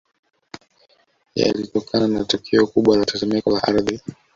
Yalitokana na tukio kubwa la tetemeko la Ardhi